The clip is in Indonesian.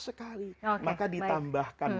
sekali maka ditambahkan